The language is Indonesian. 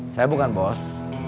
saya bukan bos